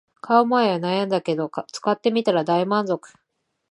買う前は悩んだけど使ってみたら大満足